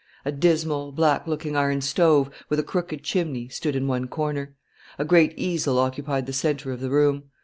A dismal, black looking iron stove, with a crooked chimney, stood in one corner. A great easel occupied the centre of the room.